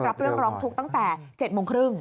รับเรื่องร้องทุกข์ตั้งแต่๗โมงครึ่ง